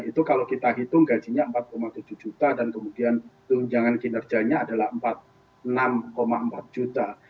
itu kalau kita hitung gajinya empat tujuh juta dan kemudian tunjangan kinerjanya adalah enam empat juta